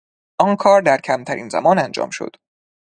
آن کار در کمترین زمان انجام شد.